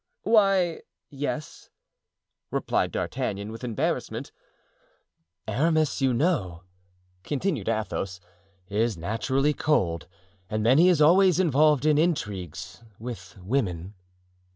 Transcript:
"Why, yes," replied D'Artagnan, with embarrassment. "Aramis, you know," continued Athos, "is naturally cold, and then he is always involved in intrigues with women."